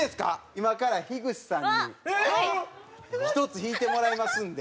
今から口さんに１つ引いてもらいますんで。